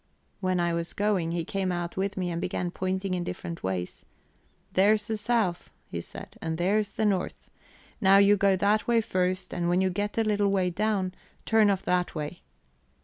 When I was going, he came out with me, and began pointing in different ways. 'There's the south,' he said, 'and there's north. Now you go that way first, and when you get a little way down, turn off that way.'